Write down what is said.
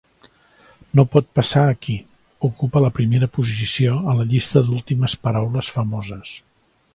"No pot passar aquí" ocupa la primera posició a la llista d'últimes paraules famoses.